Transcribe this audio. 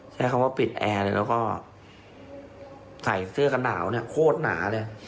ใช้คำว่าปิดแอร์เลยแล้วก็ใส่เสื้อกันหนาวเนี่ยโคตรหนาเลย